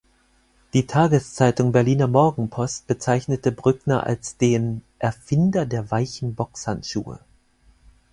Die Tageszeitung Berliner Morgenpost bezeichnete Brückner als den „Erfinder der weichen Boxhandschuhe“.